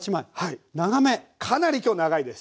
かなり今日長いです。